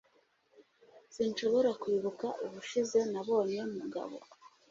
Sinshobora kwibuka ubushize nabonye Mugabo